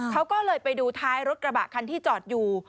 เขาก็เลยไปดูท้ายรถกระบะคันที่จอดอยู่